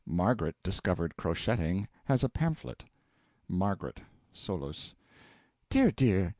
(MARGARET discovered crocheting has a pamphlet.) MARGARET. (Solus.) Dear, dear!